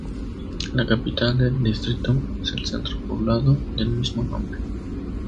La capital del distrito es el centro poblado del mismo nombre.